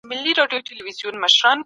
دولت بايد خپل لګښتونه بې ځايه ونه کړي.